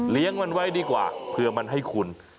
เลี้ยงมันไว้ดีกว่าเพื่อมันให้ขุน